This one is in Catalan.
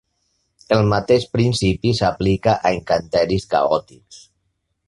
El mateix principi s'aplica a encanteris caòtics.